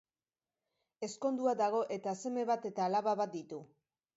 Ezkondua dago eta seme bat eta alaba bat ditu.